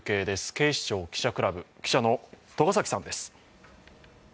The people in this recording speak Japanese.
警視庁記者クラブ、記者の栂崎さんです。